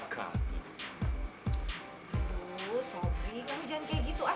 aduh sopi kamu jangan kayak gitu ah